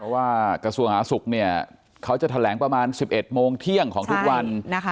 ว่ากระทรวงหาศุกร์เนี่ยเขาจะแถลงประมาณ๑๑โมงเที่ยงของทุกวัน